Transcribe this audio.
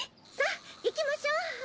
さあ行きましょう。